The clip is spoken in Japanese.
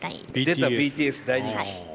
出たＢＴＳ大人気！